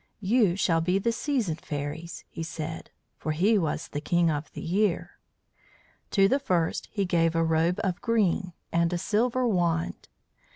"You shall be the Season Fairies," he said; for he was the King of the Year. To the first he gave a robe of green and a silver wand.